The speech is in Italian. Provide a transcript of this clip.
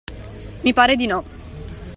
Mi pare di no.